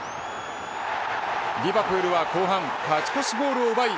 リヴァプールは後半、勝ち越しゴールを奪い